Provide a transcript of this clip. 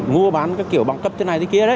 mua bán cái kiểu bằng cấp thế này thế kia đấy